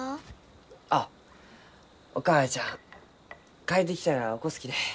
あっお母ちゃん帰ってきたら起こすきね。